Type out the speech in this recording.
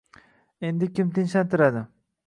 Endi kim tinchlantiradi